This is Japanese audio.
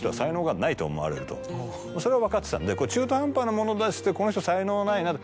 それは分かってたんで中途半端なもの出して「この人才能ないな」。